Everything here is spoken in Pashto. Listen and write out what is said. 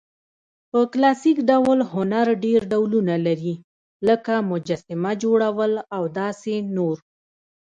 په کلاسیک ډول هنرډېر ډولونه لري؛ لکه: مجسمه، جوړول او داسي...